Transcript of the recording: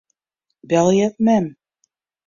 Belje mem.